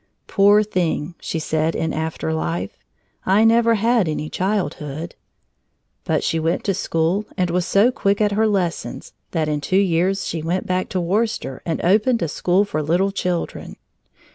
"Poor thing," she said in after life, "I never had any childhood!" But she went to school and was so quick at her lessons that in two years she went back to Worcester and opened a school for little children.